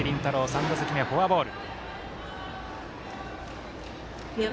３打席目はフォアボール。